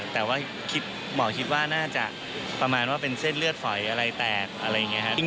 แต่ว่าหมอคิดว่าน่าจะประมาณว่าเป็นเส้นเลือดฝอยอะไรแตกอะไรอย่างนี้ครับ